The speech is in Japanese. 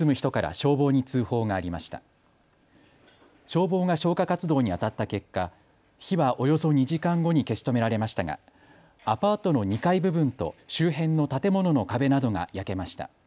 消防が消火活動にあたった結果、火はおよそ２時間後に消し止められましたがアパートの２階部分と周辺の建物の壁などが焼けました。